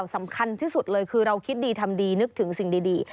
สำคัญที่สุดเลยคือเราคิดดีทำดี